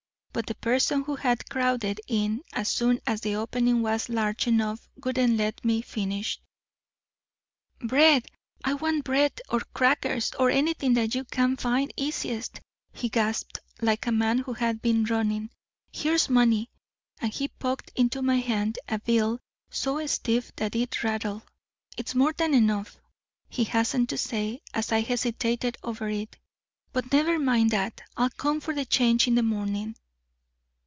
But the person who had crowded in as soon as the opening was large enough wouldn't let me finish. "'Bread! I want bread, or crackers, or anything that you can find easiest,' he gasped, like a man who had been running. 'Here's money'; and he poked into my hand a bill so stiff that it rattled. 'It's more than enough,' he hastened to say, as I hesitated over it, 'but never mind that; I'll come for the change in the morning.'